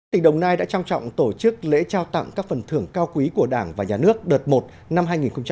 tỉnh đồng nai đã trang trọng tổ chức lễ trao tặng các phần thưởng cao quý của đảng và nhà nước đợt một năm hai nghìn hai mươi